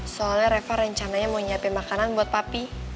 soalnya reva rencananya mau nyiapin makanan buat papi